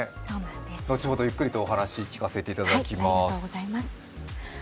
後ほどゆっくりとお話、聴かせていただきます。